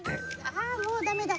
ああもうダメだ！